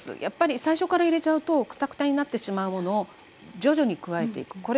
やっぱり最初から入れちゃうとくたくたになってしまうものを徐々に加えていく。